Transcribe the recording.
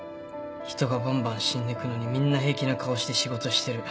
人がばんばん死んでくのにみんな平気な顔して仕事してる。